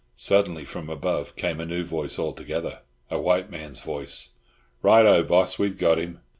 Suddenly from above came a new voice altogether, a white man's voice. "Right oh, boss! We've got him."